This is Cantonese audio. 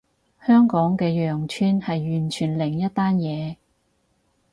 香港嘅羊村係完全另一單嘢